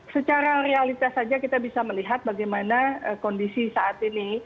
secara realitas saja kita bisa melihat bagaimana kondisi saat ini